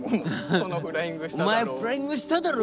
その「フライングしただろう？」。